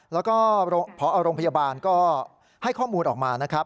แล้วก็พอโรงพยาบาลก็ให้ข้อมูลออกมานะครับ